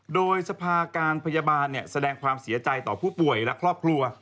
โดยสภาการพยาบาลแสดงความเสียใจต่อผู้ป่วยและครอบครัว